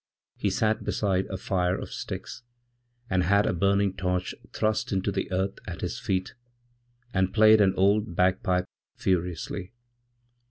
He sat beside a fire of sticks, and hada burning torch thrust into the earth at his feet, and played an oldbagpipe furiously.